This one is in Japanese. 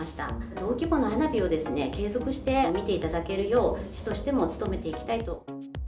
同規模の花火を継続して見ていただけるよう、市としても努めていきたいと。